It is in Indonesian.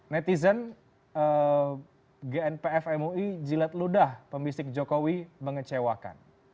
netizen gnpf mui jilat ludah pembisik jokowi mengecewakan